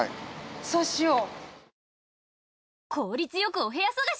そうしよう。